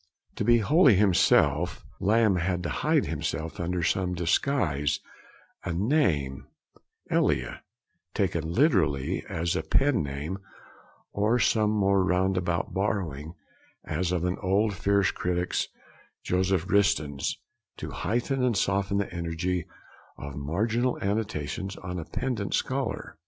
To be wholly himself, Lamb had to hide himself under some disguise, a name, 'Elia,' taken literally as a pen name, or some more roundabout borrowing, as of an old fierce critic's, Joseph Ritson's, to heighten and soften the energy of marginal annotations on a pedant scholar.